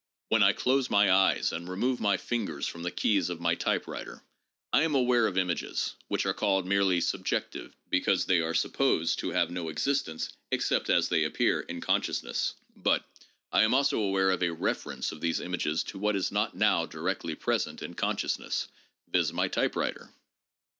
When I close my eyes and remove my fingers from the keys of my typewriter, I am aware of images (which are called merely subjective, because they are supposed to have no existence except as they appear in consciousness) ; but I am also aware of a ' refer ence' of these images to what is not now directly present in con sciousness, viz., my typewriter.